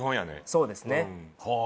そうですね。